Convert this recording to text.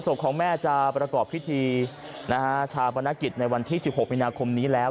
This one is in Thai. ศพของแม่จะประกอบพิธีชาปนกิจในวันที่๑๖มีนาคมนี้แล้ว